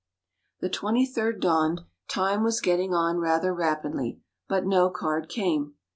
The twenty third dawned; time was getting on rather rapidly; but no card came.